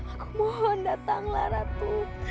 aku mohon datanglah ratu